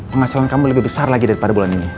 penghasilan kamu lebih besar lagi daripada bulan ini